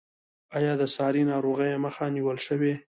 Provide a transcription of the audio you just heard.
آیا د ساري ناروغیو مخه نیول شوې؟